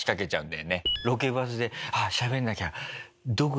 ロケバスでああしゃべんなきゃ。